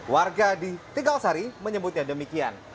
warga di tegalsari menyebutnya demikian